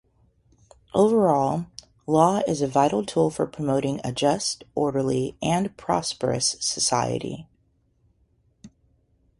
Overall, law is a vital tool for promoting a just, orderly, and prosperous society.